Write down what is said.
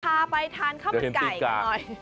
พาไปทานข้าวมันไก่กันหน่อย